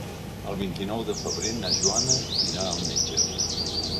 El vint-i-nou de febrer na Joana irà al metge.